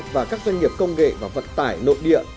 và các doanh nghiệp công nghệ và vận tải nội địa